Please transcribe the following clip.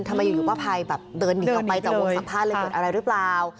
ทำไมอยู่ป้าไพ่เดินหนีออกไปจากวงสัมภาษณ์อะไรหรือเปล่า